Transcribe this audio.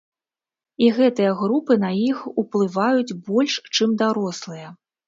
І гэтыя групы на іх уплываюць больш, чым дарослыя.